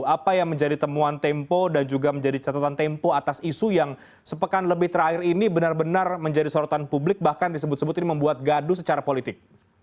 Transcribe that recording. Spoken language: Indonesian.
apa yang menjadi temuan tempo dan juga menjadi catatan tempo atas isu yang sepekan lebih terakhir ini benar benar menjadi sorotan publik bahkan disebut sebut ini membuat gaduh secara politik